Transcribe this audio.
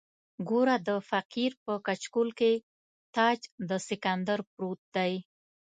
ګوره د فقیر په کچکول کې تاج د سکندر پروت دی.